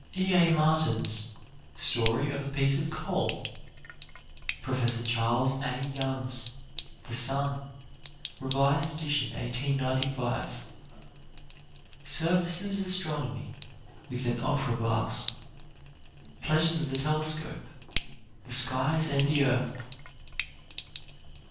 E. A. Martin's "Story of a Piece of Coal." Professor Charles A. Young's "The Sun," revised edition 1895. Serviss' "Astronomy with an Opera Glass," "Pleasures of the Telescope," "The Skies and the Earth."